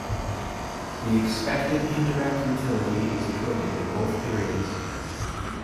The expected indirect utility is equated in both periods.